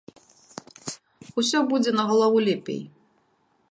Усё будзе на галаву лепей.